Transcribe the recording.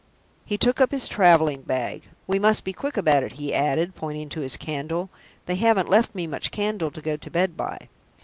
He took up his traveling bag. "We must be quick about it," he added, pointing to his candle. "They haven't left me much candle to go to bed by."